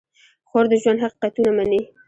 خور د ژوند حقیقتونه مني.